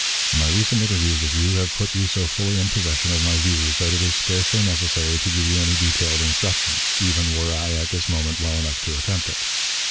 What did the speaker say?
"My recent interviews with you have put you so fully in possession of my views, that it is scarcely necessary to give you any detailed instructions, even were I at this moment well enough to attempt it.